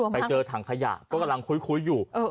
ไปเจอถังขยะก็กำลังคุยอยู่